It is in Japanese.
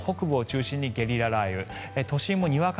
関東地方北部を中心にゲリラ雷雨。